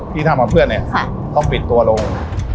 ที่ทำกับเพื่อนเนี่ยต้องปิดตัวลง